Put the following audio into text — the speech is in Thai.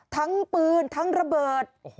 ทั้งปืนทั้งระเบิด